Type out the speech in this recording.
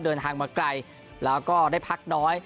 เดินทางมาไกลแล้วก็ได้พักน้อย